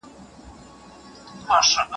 ایا تاسي په خپل موبایل کې ډېر اپلیکیشنونه لرئ؟